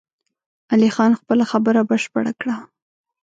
علي خان خپله خبره بشپړه کړه!